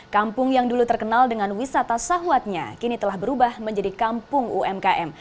kampung yang dulu terkenal dengan wisata sahwatnya kini telah berubah menjadi kampung umkm